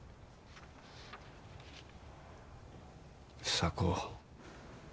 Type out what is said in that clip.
房子。